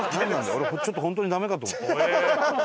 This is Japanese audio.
俺ちょっと本当にダメかと思った。